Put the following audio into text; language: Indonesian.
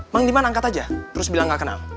bang diman angkat aja terus bilang gak kenal